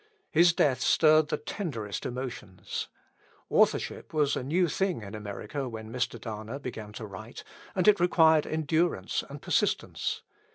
His death stirred the tenderest emotions. Authorship was a new thing in America when Mr. Dana began to write, and it required endurance and persistence.